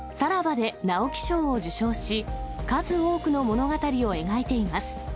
で直木賞を受賞し、数多くの物語を描いています。